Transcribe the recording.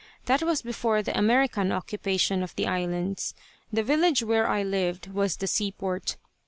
That was before the American occupation of the islands. The village where I lived was the seaport.